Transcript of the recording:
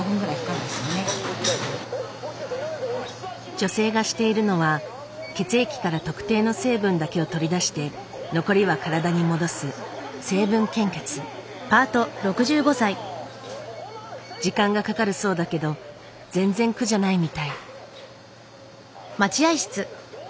女性がしているのは血液から特定の成分だけを取り出して残りは体に戻す時間がかかるそうだけど全然苦じゃないみたい。